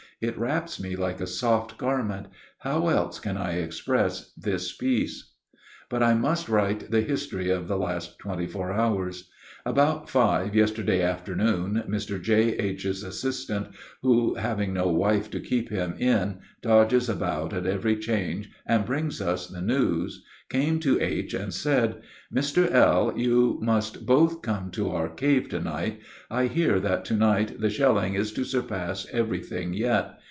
It wraps me like a soft garment; how else can I express this peace?" But I must write the history of the last twenty four hours. About five yesterday afternoon, Mr. J., H.'s assistant, who, having no wife to keep him in, dodges about at every change and brings us the news, came to H. and said: "Mr. L., you must both come to our cave to night. I hear that to night the shelling is to surpass everything yet.